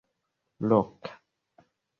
loka